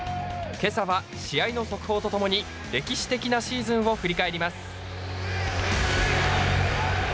けさは試合の速報とともに、歴史的なシーズンを振り返ります。